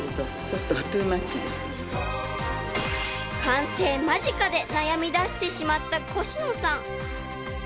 ［完成間近で悩みだしてしまったコシノさん］